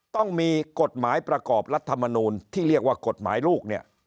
ต้องมีกฎหมายประกอบรัฐมนูลที่เรียกว่ากฎหมายลูกเนี่ย